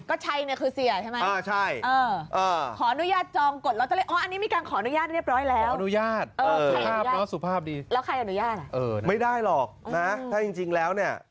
ก็ใจนี่คือเสียใช่มั้ย